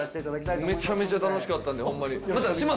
めちゃめちゃ楽しかったんでホンマに。